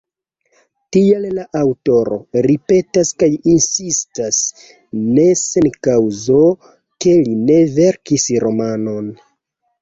Tial la aŭtoro ripetas kaj insistas, ne sen kaŭzo, ke li ne verkis romanon.